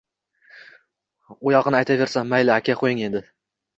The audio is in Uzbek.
U yog‘ini aytaversam… Mayli, aka, qo‘ying endi